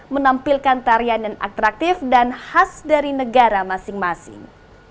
menampilkan tarian yang atraktif dan khas dari negara masing masing